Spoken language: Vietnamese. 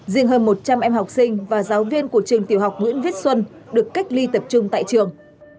riêng hơn một trăm linh em học sinh và giáo viên của trường tiểu học nguyễn viết xuân được cách ly tập trung tại trường